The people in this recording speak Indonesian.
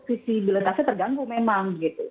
visibilitasnya terganggu memang gitu